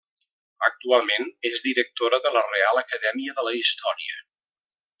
Actualment és directora de la Reial Acadèmia de la Història.